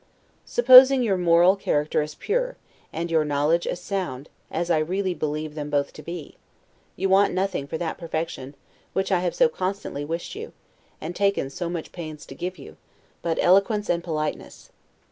Supposing your moral character as pure, and your knowledge as sound, as I really believe them both to be; you want nothing for that perfection, which I have so constantly wished you, and taken so much pains to give you, but eloquence and politeness.